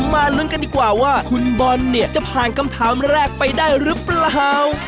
มาลุ้นกันดีกว่าว่าคุณบอลเนี่ยจะผ่านคำถามแรกไปได้หรือเปล่า